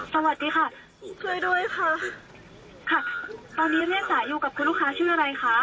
หมดเลย